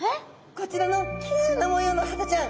こちらのきれいな模様のハタちゃん。